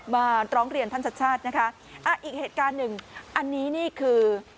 มาร้องเรียนท่านชัดชาตินะคะอ่ะอีกเหตุการณ์หนึ่งอันนี้นี่คือ